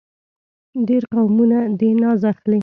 ډېر قومونه دې ناز اخلي.